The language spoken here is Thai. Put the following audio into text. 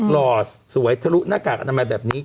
หล่อสวยทะลุหน้ากากอนามัยแบบนี้